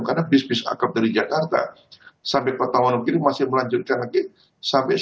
karena bis bis akam dari jakarta sampai ke batam adam manugiri masih melanjutkan lagi sampai ke orang dari jika